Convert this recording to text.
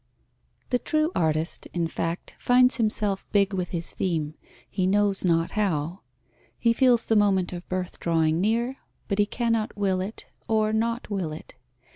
The true artist, in fact, finds himself big with his theme, he knows not how; he feels the moment of birth drawing near, but he cannot will it or not will it.